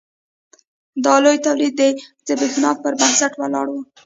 دا لوی تولید د ځبېښاک پر بنسټ ولاړ و.